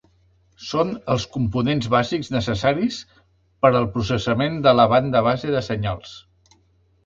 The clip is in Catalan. Són els components bàsics necessaris per al processament de la banda base de senyals